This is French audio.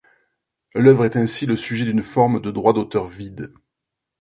L’œuvre est ainsi le sujet d’une forme de droit d’auteur « vide ».